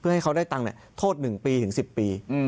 เพื่อให้เขาได้ตังค์เนี่ยโทษ๑ปีถึง๑๐ปี